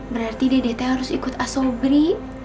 berarti dede teh harus ikut asobri